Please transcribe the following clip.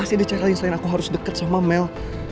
pasti ada cara lain selain aku harus deket sama mel